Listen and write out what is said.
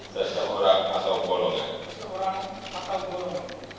seseorang atau kolonel